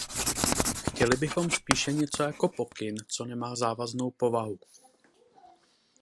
Chtěli bychom spíše něco jako pokyn, co nemá závaznou povahu.